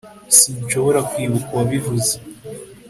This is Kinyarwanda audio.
sinshobora kwibuka uwabivuze